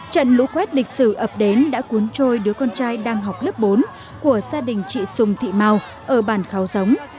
trận lũ quét lịch sử ập đến đã cuốn trôi đứa con trai đang học lớp bốn của gia đình chị sùng thị mau ở bản kháo giống